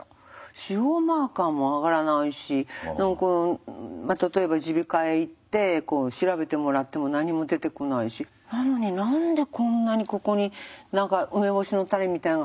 腫瘍マーカーも上がらないし例えば耳鼻科へ行って調べてもらっても何も出てこないしなのに何でこんなにここに何か梅干しの種みたいなのが入った感じ。